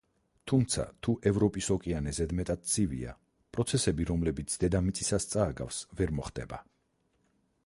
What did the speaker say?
თუმცა, თუ ევროპის ოკეანე ზედმეტად ცივია, პროცესები, რომლებიც დედამიწისას წააგავს, ვერ მოხდება.